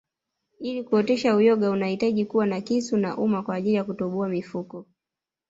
Ili kuotesha uyoga unahitaji kuwa na kisu na uma kwaajili ya kutoboa mifuko